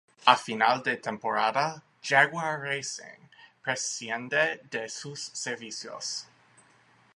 A final de temporada, Jaguar Racing prescinde de sus servicios.